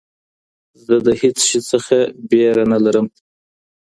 زه د هیڅ شي څخه ویره نه لرم.